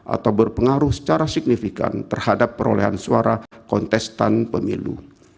atau berpengaruh secara signifikan terhadap perolehan suara kontestan pemilu